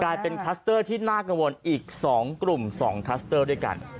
กลายเป็นคลัสเตอร์ที่น่ากังวลอีก๒กลุ่ม๒คลัสเตอร์ด้วยกัน